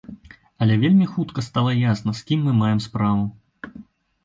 Але вельмі хутка стала ясна, з кім мы маем справу.